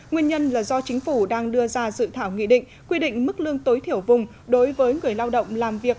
nguyên nhân là do chính phủ đang đưa ra dự thảo nghị định quy định mức lương tối thiểu vùng đối với người lao động làm việc